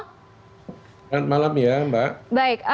selamat malam ya mbak